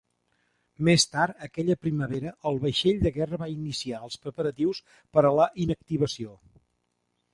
Més tard, aquella primavera el vaixell de guerra va iniciar els preparatius per a la inactivació.